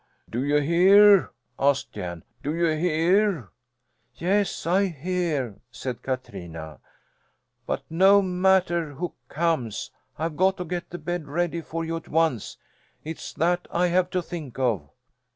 "Do you hear?" asked Jan. "Do you hear?" "Yes, I hear," said Katrina. "But no matter who comes I've got to get the bed ready for you at once. It's that I have to think of."